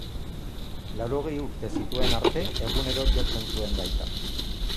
Laurogei urte zituen arte egunero jotzen zuen gaita.